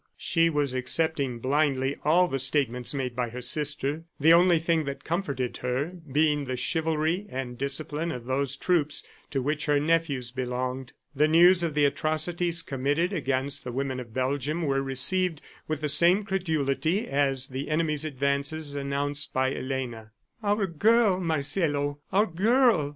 She was accepting blindly all the statements made by her sister, the only thing that comforted her being the chivalry and discipline of those troops to which her nephews belonged. The news of the atrocities committed against the women of Belgium were received with the same credulity as the enemy's advances announced by Elena. "Our girl, Marcelo. ... Our girl!"